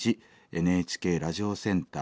ＮＨＫラジオセンター